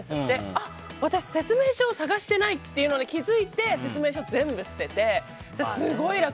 あ、私説明書を探してないっていうのに気づいて、説明書全部捨てたらすごい楽。